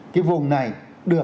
cái vùng này được